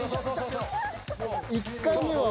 ［１回目は］